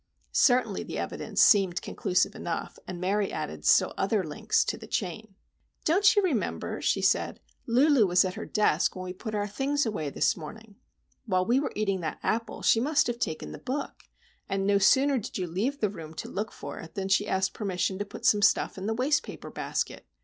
Certainly the evidence seemed conclusive enough, and Mary added still other links to the chain. "Don't you remember?" she said. "Lulu was at her desk when we put our things away this morning. While we were eating that apple, she must have taken the book; and no sooner did you leave the room to look for it, than she asked permission to put some stuff in the wastepaper basket.